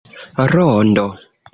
rondo